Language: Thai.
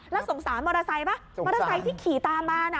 แล้วสงสารมอเตอร์ไซค์ป่ะมอเตอร์ไซค์ที่ขี่ตามมาน่ะ